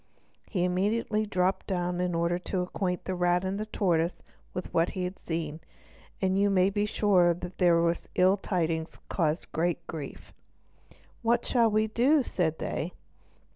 He immediately dropped down in order to acquaint the rat and tortoise with what he had seen; and you may be sure that these ill tidings caused great grief. "What shall we do?" said they.